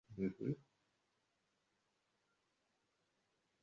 Era abakuutidde okulaga abayizi akabi akali mu kulya enguzi nga babasomesa